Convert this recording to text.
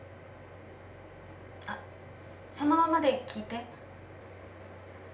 あっそのままで聞いて。